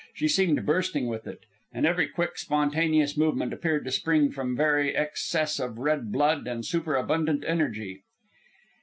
She seemed bursting with it, and every quick, spontaneous movement appeared to spring from very excess of red blood and superabundant energy.